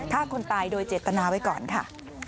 ฆ่าคนตายโดยเจตนาไว้ก่อนค่ะ